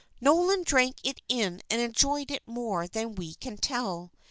Nolan drank it in and enjoyed it more than we can tell.